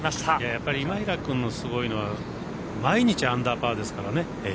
やっぱり今平君のすごいのは毎日アンダーパーですからね。